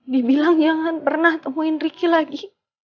dibilang jangan pernah temuin ricky lagi